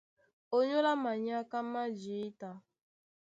Ónyólá manyáká má jǐta,